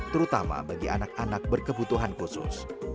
terutama bagi anak anak berkebutuhan khusus